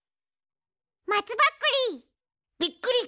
まつぼっくり！